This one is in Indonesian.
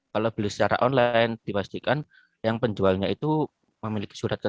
kalau beli secara online dipastikan yang penjualnya itu memiliki surat keterangan